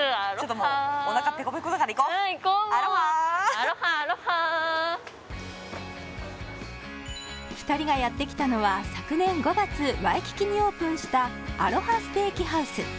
もう２人がやって来たのは昨年５月ワイキキにオープンしたアロハ・ステーキハウス